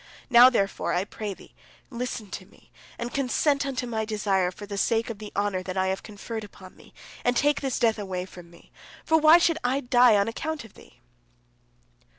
Now, therefore, I pray thee, listen to me, and consent unto my desire for the sake of the honor that I have conferred upon thee, and take this death away from me. For why should I die on account of thee?"